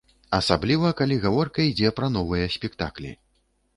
Асабліва, калі гаворка ідзе пра новыя спектаклі.